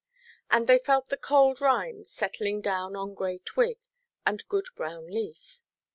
And they felt the cold rime settling down on grey twig, and good brown leaf.